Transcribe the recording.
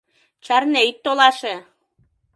Чарне, ит толаше!